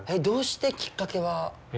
どうして？きっかけは？